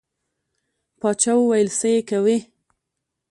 باچا ویل څه یې کوې.